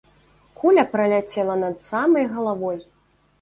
Куля праляцела над самай галавой!